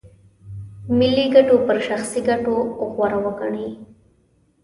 ملي ګټې پر شخصي ګټو غوره وګڼي.